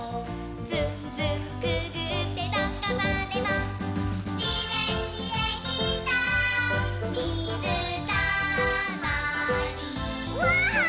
「ずんずんくぐってどこまでも」「じめんにできたみずたまり」わ！